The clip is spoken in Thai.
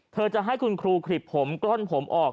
เธอจะให้คุณครูขลิบผมกล้อนผมออก